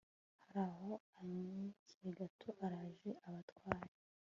haraho anyarukiye gato araje abatware